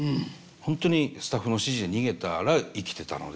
本当にスタッフの指示で逃げたら生きてたので。